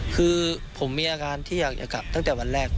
คือผมมีอาการที่อยากจะกลับตั้งแต่วันแรก